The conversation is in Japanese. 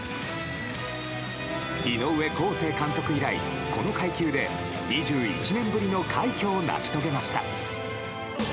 井上康生監督以来、この階級で２１年ぶりの快挙を成し遂げました。